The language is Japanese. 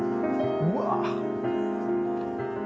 うわ！